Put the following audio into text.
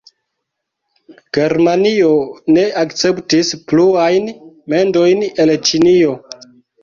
Germanio ne akceptis pluajn mendojn el Ĉinio.